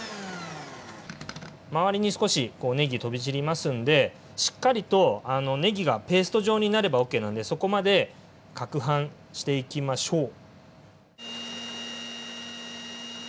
周りに少しねぎ飛び散りますんでしっかりとねぎがペースト状になればＯＫなんでそこまでかくはんしていきましょう。